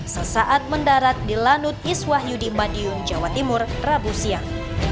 sesaat mendarat di lanut iswah yudi madiun jawa timur rabu siang